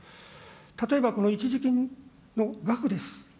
例えばこの一時金の額です。